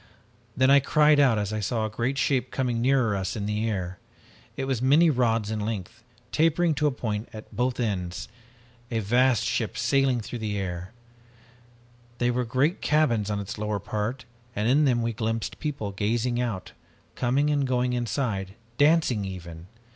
Then I cried out as I saw a great shape coming nearer us in the air. It was many rods in length, tapering to a point at both ends, a vast ship sailing in the air! There were great cabins on its lower part and in them we glimpsed people gazing out, coming and going inside, dancing even!